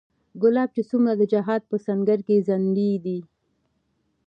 کلاب چې څومره د جهاد په سنګر کې ځنډېدی